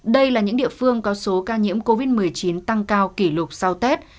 đây là những địa phương có số ca nhiễm covid một mươi chín tăng cao kỷ lục sau tết